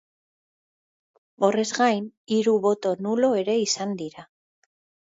Horrez gain, hiru boto nulo ere izan dira.